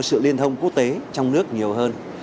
sự liên thông quốc tế trong nước nhiều hơn